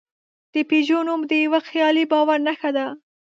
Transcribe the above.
د پيژو نوم د یوه خیالي باور نښه ده.